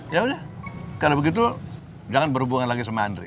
yaudah kalau begitu jangan berhubungan lagi sama andri